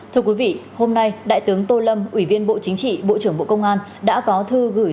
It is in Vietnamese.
thưa quý vị hôm nay đại tướng tô lâm ủy viên bộ chính trị bộ trưởng bộ công an đã có thư gửi